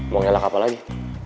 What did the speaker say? mau ngelak apa lagi